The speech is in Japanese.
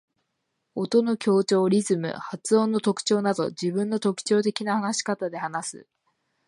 音の強調、リズム、発音の特徴など自分の特徴的な話し方で話す。